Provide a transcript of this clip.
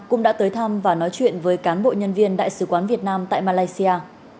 cũng đã tới thăm và nói chuyện với cán bộ nhân viên đại sứ quán việt nam tại malaysia